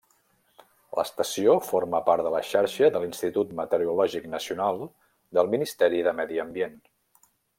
L'estació forma part de la xarxa de l’Institut Meteorològic Nacional, del Ministeri de Medi Ambient.